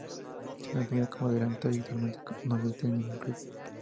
Se desempeña como delantero y actualmente no milita en ningún club.